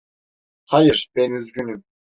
Hayır, ben üzgünüm.